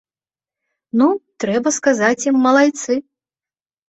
Ну, трэба сказаць ім малайцы!